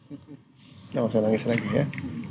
udah gak usah nangis lagi ya